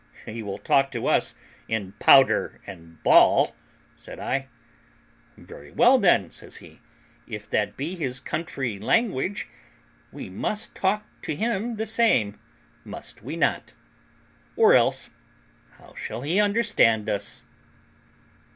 "He will talk to us in powder and ball," said I. "Very well, then," says he, "if that be his country language, we must talk to him in the same, must we not? or else how shall he understand us?"